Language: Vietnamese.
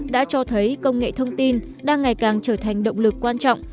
đã cho thấy công nghệ thông tin đang ngày càng trở thành động lực quan trọng